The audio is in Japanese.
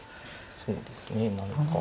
そうですね。何か。